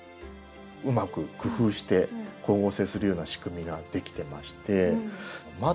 うまく工夫して光合成するような仕組みができてまして「窓」